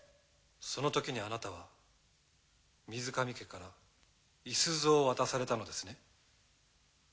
そのときにあなたは水上家から五十鈴を渡されたのですね。